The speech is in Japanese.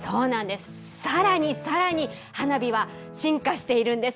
さらにさらに花火は進化しているんです。